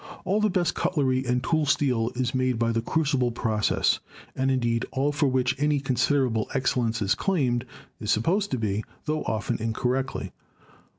All the best cutlery and tool steel is made by the crucible process, and indeed all for which any considerable excel lence is claimed is supposed to be, tho often incorrectly.